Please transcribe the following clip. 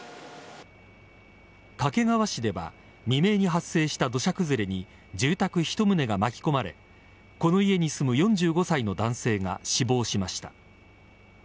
掛川市では未明に発生した土砂崩れに住宅一棟が巻き込まれこの家に住む４５歳の男性が死亡しました。